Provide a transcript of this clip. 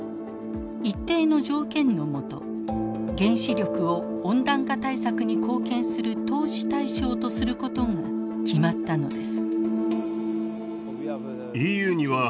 一定の条件の下原子力を温暖化対策に貢献する投資対象とすることが決まったのです。